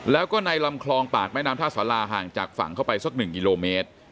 แล้วก็ในลำคลองปากแม่น้ำท่าสาราห่างจากฝั่งเข้าไปสัก๑กิโลเมตร